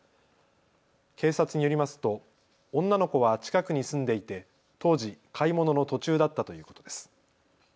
警察によりますと、女の子は近くに住んでいて、当時買い物の途中だったということです。